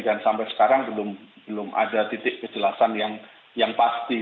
dan sampai sekarang belum ada titik kejelasan yang pasti